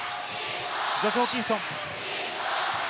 ジョシュ・ホーキンソン。